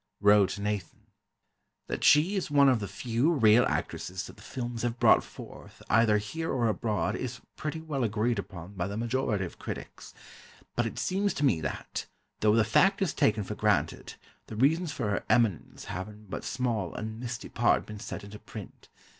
Wrote Nathan: That she is one of the few real actresses that the films have brought forth, either here or abroad, is pretty well agreed upon by the majority of critics. But it seems to me that, though the fact is taken for granted, the reasons for her eminence have in but small and misty part been set into print....